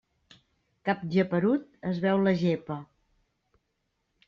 Cap geperut es veu la gepa.